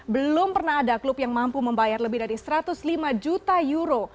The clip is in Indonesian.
belum pernah ada klub yang mampu membayar lebih dari satu ratus lima juta euro